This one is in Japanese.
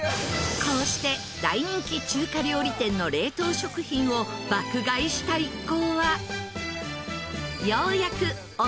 こうして大人気中華料理店の冷凍食品を爆買いした一行は。